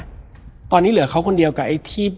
แล้วสักครั้งหนึ่งเขารู้สึกอึดอัดที่หน้าอก